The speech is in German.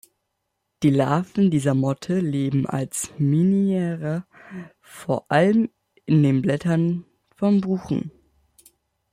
Die Larven dieser Motte leben als Minierer vor allem in den Blättern von Buchen.